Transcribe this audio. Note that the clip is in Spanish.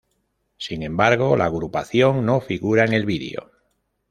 Sin embargo, la agrupación no figura en el vídeo.